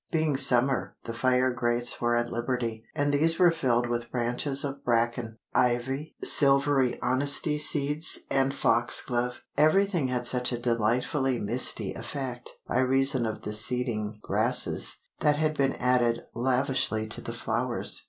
Being summer, the fire grates were at liberty, and these were filled with branches of bracken, ivy, silvery honesty seeds, and foxglove. Everything had such a delightfully "misty" effect, by reason of the seeding grasses that had been added lavishly to the flowers.